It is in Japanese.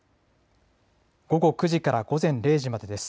午後９時から午前０時までです。